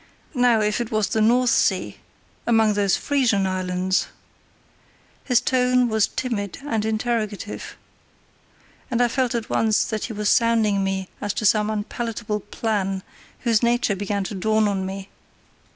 Now, if it was the North Sea, among those Frisian Islands——" His tone was timid and interrogative, and I felt at once that he was sounding me as to some unpalatable plan whose nature began to dawn on me.